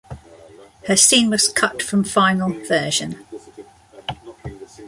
Her scene was cut from final version.